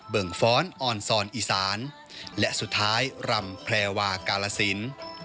่งฟ้อนออนซอนอีสานและสุดท้ายรำแพรวากาลสิน